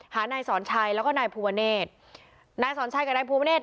หานายสอนชัยแล้วก็นายพูบาเนธนายสอนชัยกับนายพูบาเนธ